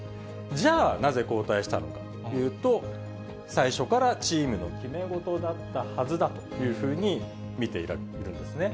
じゃあなぜ交代したのかというと、最初からチームの決めごとだったはずだというふうに見ているんですね。